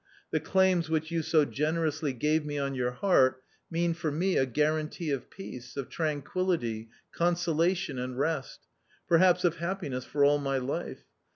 The claims which you so generously gave me on your heart mean for me a guarantee of peace, of tranquillity, consolation, and rest — perhaps of happiness for all my life.